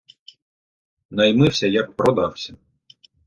Наймився, як продався.